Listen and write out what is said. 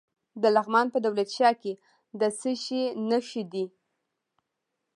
د لغمان په دولت شاه کې د څه شي نښې دي؟